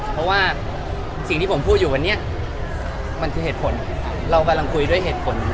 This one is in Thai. เพราะว่าสิ่งที่ผมพูดอยู่วันนี้มันคือเหตุผลเรากำลังคุยด้วยเหตุผล